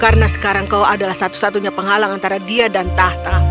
karena sekarang kau adalah satu satunya penghalang antara dia dan tahta